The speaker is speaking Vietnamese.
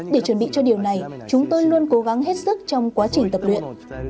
để chuẩn bị cho điều này chúng tôi luôn cố gắng hết sức trong quá trình tập luyện